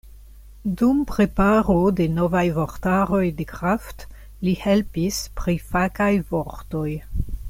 Dum preparo de novaj vortaroj de Kraft li helpis pri fakaj vortoj.